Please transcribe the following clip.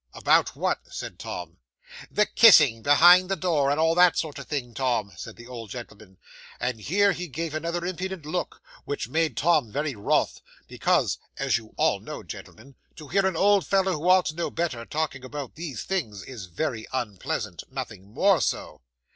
'"About what?" said Tom. '"The kissing behind the door, and all that sort of thing, Tom," said the old gentleman. And here he gave another impudent look, which made Tom very wroth, because as you all know, gentlemen, to hear an old fellow, who ought to know better, talking about these things, is very unpleasant nothing more so.